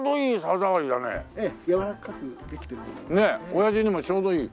おやじにもちょうどいい。